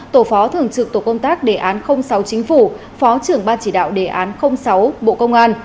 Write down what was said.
tổ phó thường trực tổ công tác đề án sáu chính phủ phó trưởng ban chỉ đạo đề án sáu bộ công an